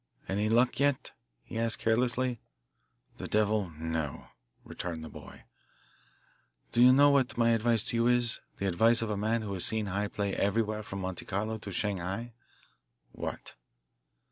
"Any luck yet?" he asked carelessly. "The devil no," returned the boy. "Do you know what my advice to you is, the advice of a man who has seen high play everywhere from Monte Carlo to Shanghai?" "What?"